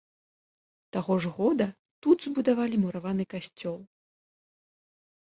Таго ж года тут збудавалі мураваны касцёл.